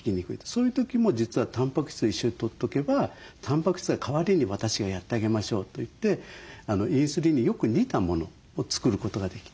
そういう時も実はタンパク質を一緒にとっとけばタンパク質が代わりに私がやってあげましょうといってインスリンによく似たものを作ることができてですね